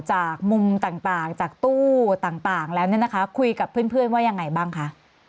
จากมุมต่างจากตู้ต่างแล้วเนี่ยนะคะคุยกับเพื่อนว่ายังไงบ้างคะ